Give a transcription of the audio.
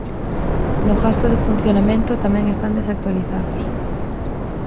No gasto de funcionamento tamén están desactualizados.